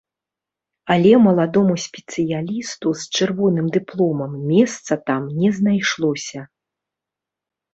Але маладому спецыялісту з чырвоным дыпломам месца там не знайшлося.